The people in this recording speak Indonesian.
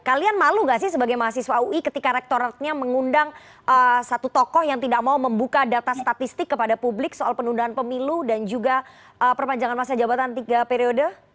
kalian malu gak sih sebagai mahasiswa ui ketika rektoratnya mengundang satu tokoh yang tidak mau membuka data statistik kepada publik soal penundaan pemilu dan juga perpanjangan masa jabatan tiga periode